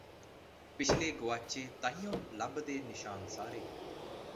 ਪਿਛਲੇ ਗੁਆਚੇ ਤਾਂਹੀਓ ਲੱਭਦੇ ਨਿਸ਼ਾਨ ਸਾਰੇ